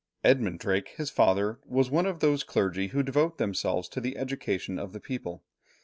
Edmund Drake his father, was one of those clergy who devote themselves to the education of the people.